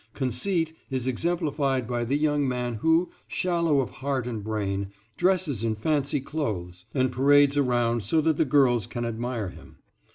Conceit is exemplified by the young man who, shallow of heart and brain, dresses in fancy clothes and parades around so that the girls can admire him.